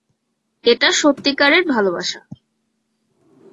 এটা সত্যিকারের ভালোবাসা।